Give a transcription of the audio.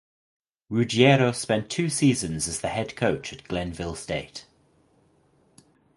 Ruggiero spent two seasons as the head coach at Glenville State.